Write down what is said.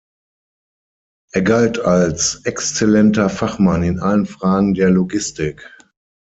Er galt als exzellenter Fachmann in allen Fragen der Logistik.